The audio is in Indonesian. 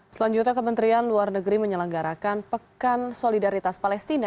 selanjutnya kementerian luar negeri menyelenggarakan pekan solidaritas palestina